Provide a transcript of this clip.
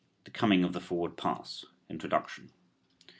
THE COMING OF THE FORWARD PASS. INTRODUCTION.